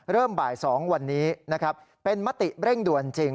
เริ่มบ่าย๒วันนี้เป็นมติเร่งด่วนจริง